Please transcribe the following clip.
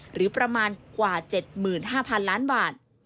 หรือประมาณกว่า๗๕๐๐๐ล้านบาท